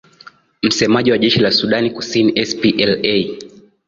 msemaji wa jeshi la sudan kusini spla